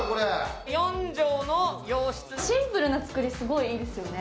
シンプルな造り、すごいいいですよね。